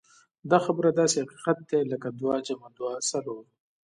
دا خبره داسې حقيقت دی لکه دوه جمع دوه څلور.